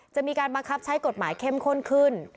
จะมีการบังคับใช้กฎหมายเข้มข้นขึ้น